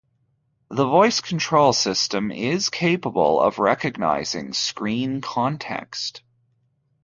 The voice control system is capable of recognizing screen context.